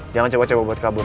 jangan coba coba buat kabur